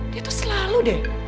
dia tuh selalu deh